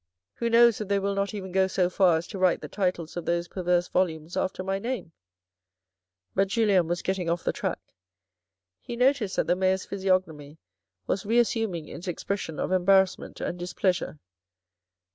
Who knows if they will not even go so far as to write the titles of those perverse volumes after my name ? But Julien was getting off the track. He noticed that the Mayor's physiognomy was re assuming its expression of embarrassment and displeasure.